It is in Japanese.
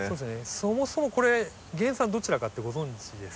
そもそもこれ原産どちらかってご存じです？